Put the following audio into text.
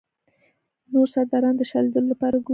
نور سرداران د شاه لیدلو لپاره ګوري.